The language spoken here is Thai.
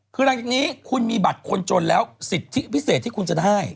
คือหลังจากนี้คุณมีบัตรคนจนแล้วสิทธิพิเศษที่คุณจะได้